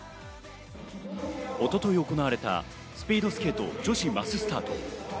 一昨日、行われたスピードスケート女子マススタート。